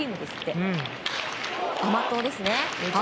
甘党ですね。